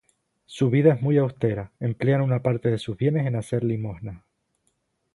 Su vida es muy austera, emplean una parte de sus bienes en hacer limosnas.